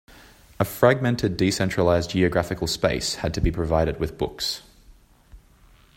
A fragmented decentralised geographical space had to be provided with books.